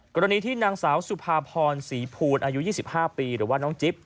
กรณีที่นางสาวสุภาพรศรีภูลอายุ๒๕ปีหรือว่าน้องจิ๊บ